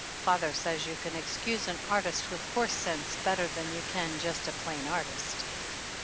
Father says you can excuse an artist with horse sense better than you can just a plain artist.